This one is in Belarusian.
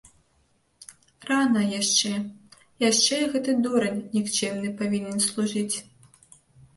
Рана яшчэ, яшчэ гэты дурань нікчэмны павінен служыць.